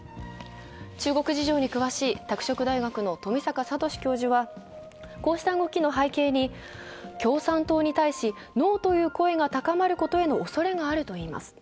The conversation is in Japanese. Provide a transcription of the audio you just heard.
中国事情に詳しい拓殖大学の富坂聰教授はこうした動きの背景に共産党に対しノーという声が高まることへのおそれがあると言います。